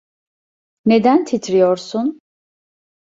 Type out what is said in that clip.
Neden titriyorsun?